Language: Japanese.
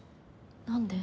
何で？